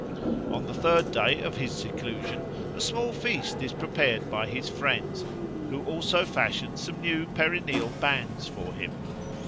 On the third day of his seclusion a small feast is prepared by his friends, who also fashion some new perineal bands for him.